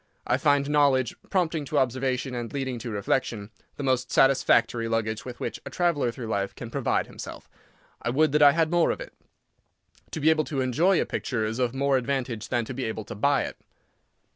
I find knowledge, prompting to observation and leading to reflection, the most satisfactory luggage with which a traveller through life can provide himself. I would that I had more of it. To be able to enjoy a picture is of more advantage than to be able to buy it.